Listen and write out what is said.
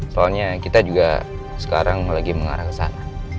soalnya kita juga sekarang lagi mengarah ke sana